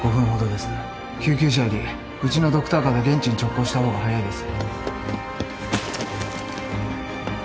救急車よりうちのドクターカーで現地に直行した方が早いです。